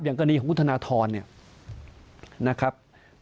กรณีของคุณธนทรเนี่ยนะครับ